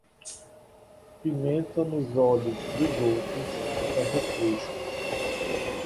Pimenta nos olhos dos outros é refresco